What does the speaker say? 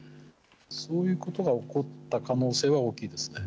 そういうことが起こった可能性は大きいですね。